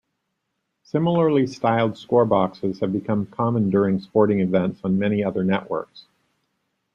Similarly-styled score boxes have become common during sporting events on many other networks.